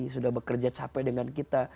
sudah bekerja capek dengan kita